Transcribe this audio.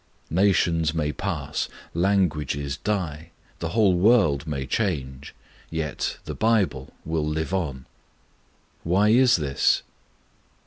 Nations may pass, languages die, the whole world may change, yet the Bible will live on. Why is this?